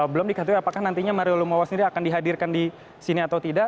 belum diketahui apakah nantinya mario lumowa sendiri akan dihadirkan di sini atau tidak